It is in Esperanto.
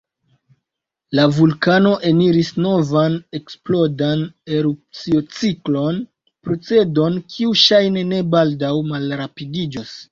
La vulkano eniris novan eksplodan erupciociklon, procedon kiu ŝajne ne baldaŭ malrapidiĝos.